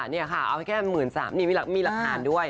เอาให้แค่๑๓๐๐๐บาทนี่มีรักฐานด้วย